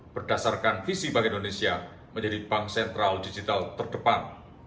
berdasarkan visi bank indonesia menjadi bank sentral digital terdepan